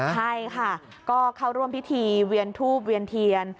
ใช่ค่ะก็เข้าร่วมพิธีเวียนทูบเวียนเทียน